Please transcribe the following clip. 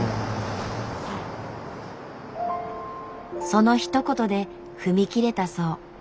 そのひと言で踏み切れたそう。